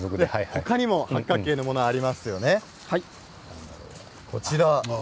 他にも八角形のものありますよね。